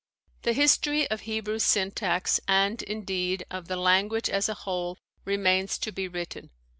The history of Hebrew syntax, and, indeed, of the language as a whole, remains to be written.